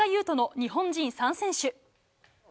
斗の日本人３選手。